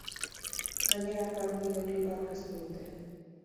Gainera, gaur bideoklipa aurkeztu dute.